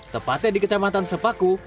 tepatnya di kecamatan sepaku